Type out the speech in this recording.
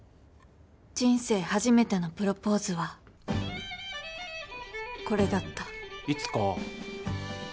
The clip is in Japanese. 人生初めてのプロポーズはこれだった